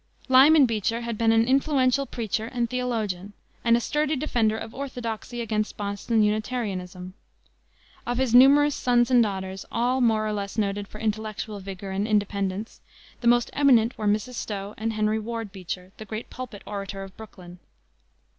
Lyman Beecher had been an influential preacher and theologian, and a sturdy defender of orthodoxy against Boston Unitarianism. Of his numerous sons and daughters, all more or less noted for intellectual vigor and independence, the most eminent were Mrs. Stowe and Henry Ward Beecher, the great pulpit orator of Brooklyn.